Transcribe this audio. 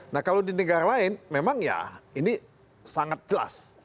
nah kalau di negara lain memang ya ini sangat jelas